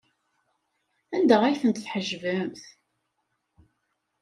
Anda ay tent-tḥejbemt?